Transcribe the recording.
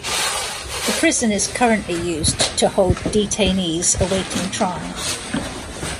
The prison is currently used to hold detainees awaiting trial.